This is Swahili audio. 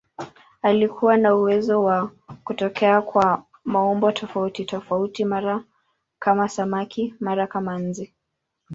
Alikuwa na uwezo wa kutokea kwa maumbo tofautitofauti, mara kama samaki, mara kama nzi.